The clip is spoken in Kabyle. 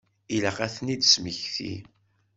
Ilaq ad ten-id-tesmekti.